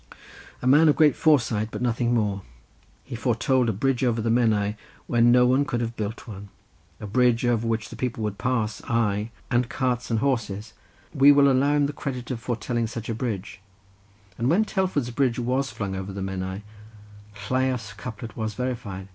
A man of great foresight, but nothing more; he foretold a bridge over the Menai, when no one could have built one, a bridge over which people could pass, aye, and carts and horses; we will allow him the credit of foretelling such a bridge; and when Telford's bridge was flung over the Menai, Lleiaf's couplet was verified.